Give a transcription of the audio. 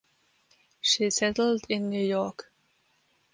She settled in New York.